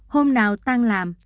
hôm nào tan làm